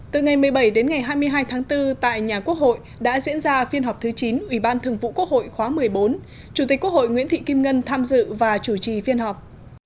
từ ngày một mươi bảy đến ngày hai mươi hai tháng bốn tại nhà quốc hội đã diễn ra phiên họp thứ chín ủy ban thường vụ quốc hội khóa một mươi bốn chủ tịch quốc hội nguyễn thị kim ngân tham dự và chủ trì phiên họp